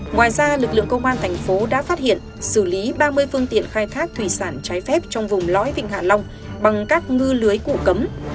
ngoài ra lực lượng công an thành phố đã phát hiện xử lý ba mươi phương tiện khai thác thủy sản trái phép trong vùng lõi vịnh hạ long bằng các ngư lưới cụ cấm